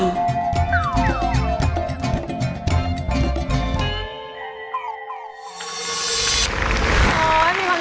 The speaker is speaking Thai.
มีความโศก